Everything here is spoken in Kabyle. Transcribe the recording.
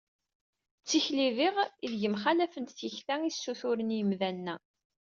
D tikli diɣ ideg mxalafent tikta i ssuturen yimdanen-a.